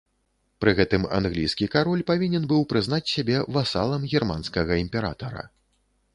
Пры гэтым англійскі кароль павінен быў прызнаць сябе васалам германскага імператара.